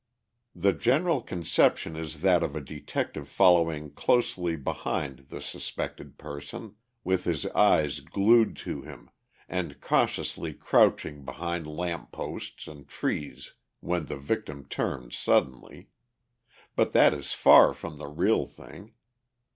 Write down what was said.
The general conception is that of a detective following closely behind the suspected person, with his eyes glued to him, and cautiously crouching behind lamp posts and trees when the victim turns suddenly. But that is far from the real thing.